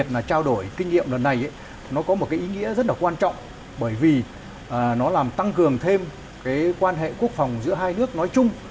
trao đổi kinh nghiệm lần này có ý nghĩa rất quan trọng bởi vì nó làm tăng cường thêm quan hệ quốc phòng giữa hai nước nói chung